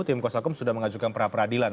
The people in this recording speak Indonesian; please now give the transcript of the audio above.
tim koso kom sudah mengajukan peradilan